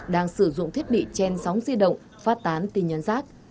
đang sử dụng thiết bị chen sóng di động phát tán tin nhắn rác